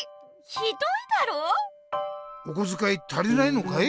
ひどいだろ？おこづかい足りないのかい？